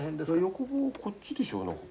横棒こっちでしょう。